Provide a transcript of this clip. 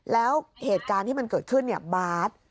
แล้วเหตุการณ์ที่มันเกิดขึ้นเนี่ยบาร์ด